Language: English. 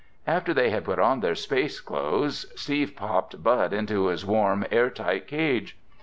After they had put on their space clothes, Steve popped Bud into his warm, air tight cage.